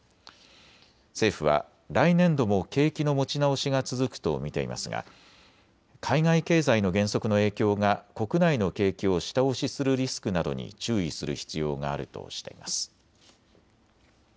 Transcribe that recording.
政府は来年度も景気の持ち直しが続くと見ていますが海外経済の減速の影響が国内の景気を下押しするリスクなどに注意する必要があるとしています。